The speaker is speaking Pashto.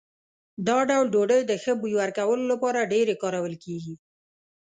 دا ډول ډوډۍ د ښه بوی ورکولو لپاره ډېرې کارول کېږي.